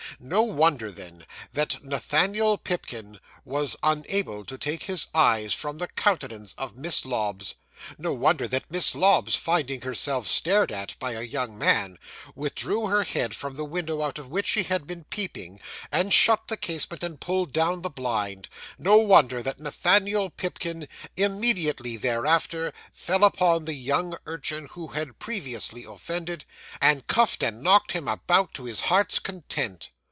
No wonder then, that Nathaniel Pipkin was unable to take his eyes from the countenance of Miss Lobbs; no wonder that Miss Lobbs, finding herself stared at by a young man, withdrew her head from the window out of which she had been peeping, and shut the casement and pulled down the blind; no wonder that Nathaniel Pipkin, immediately thereafter, fell upon the young urchin who had previously offended, and cuffed and knocked him about to his heart's content.